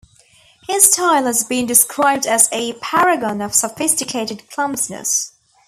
His style has been described as "a paragon of sophisticated clumsiness".